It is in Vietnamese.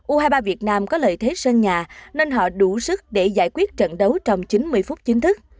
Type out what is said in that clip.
u hai mươi ba việt nam có lợi thế sân nhà nên họ đủ sức để giải quyết trận đấu trong chín mươi phút chính thức